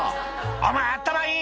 「お前頭いい！」